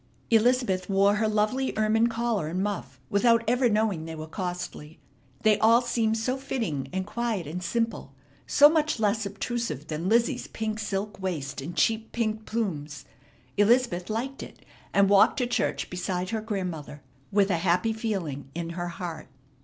Elizabeth wore her lovely ermine collar and muff without ever knowing they were costly. They all seemed so fitting and quiet and simple, so much less obtrusive than Lizzie's pink silk waist and cheap pink plumes. Elizabeth liked it, and walked to church beside her grandmother with a happy feeling in her heart.